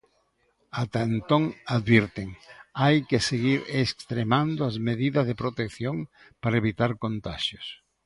Ata entón advirten: hai que seguir extremando as medidas de protección para evitar contaxios.